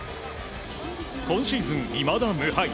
今シーズン、いまだ無敗。